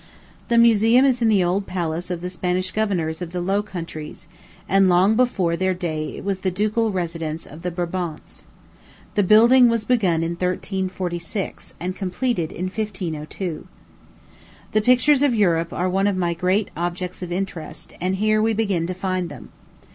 The Museum is in the old palace of the Spanish governors of the Low Countries, and long before their day it was the ducal residence of the Brabants. The building was begun in 1346, and completed in 1502. The pictures of Europe are one of my great objects of interest, and here we begin to find them.